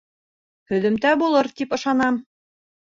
Һөҙөмтә булыр тип ышанам.